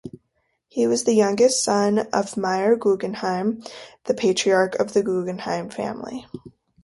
He was the youngest son of Meyer Guggenheim the patriarch of the Guggenheim family.